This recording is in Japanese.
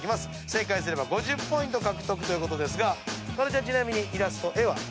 正解すれば５０ポイント獲得ということですが加納ちゃんちなみに絵は？